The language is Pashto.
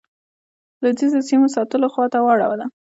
لوېدیځو سیمو ساتلو خواته واړوله.